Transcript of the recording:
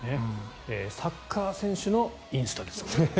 サッカー選手のインスタです。